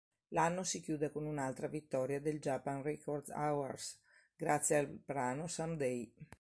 L'anno si chiude con un'altra vittoria del Japan Record Awards, grazie al brano "Someday".